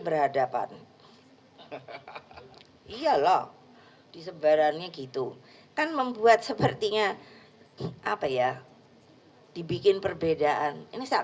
berhadapan iyalah disebarannya gitu kan membuat sepertinya apa ya dibikin perbedaan ini sak